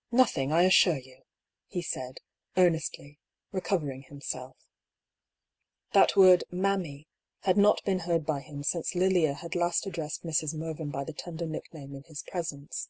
" Nothing, I assure you," he said, earnestly, recover ing himself. That word " mammy " had not been heard by him since Lilia had last addressed Mrs. Mervyn by the tender nickname in his presence.